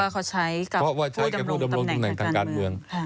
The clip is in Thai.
เพราะว่าใช้กับผู้ดำรงตำแหน่งทางการเมือง